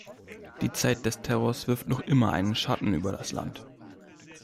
Die Zeit des Terrors wirft noch immer einen Schatten über das Land.